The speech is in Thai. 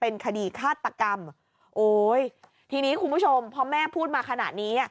คดีฆาตกรรมโอ้ยทีนี้คุณผู้ชมพอแม่พูดมาขนาดนี้อ่ะ